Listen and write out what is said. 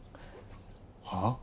はあ？